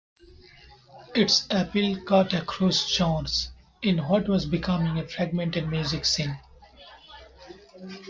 Its appeal cut across genres, in what was becoming a fragmented music scene.